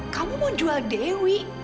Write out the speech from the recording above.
kamu mau jual dewi